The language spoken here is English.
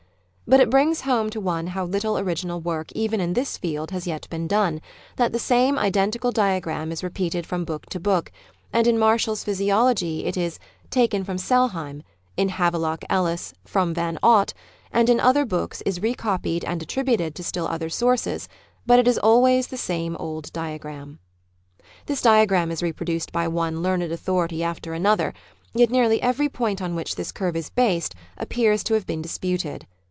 But it brings home to one how little original work even in this field has yet been done, that the same identical diagram is repeated from book to book, and in Marshall's Physiology it is " taken from Sellheim," in Havelock Ellis " from Von Ott," and in other books is re copied and attributed to still other sources, but it is always the same old diagram. This diagram is reproduced by one learned authority after another, yet nearly every point on which this curve is based appears to have been dis puted.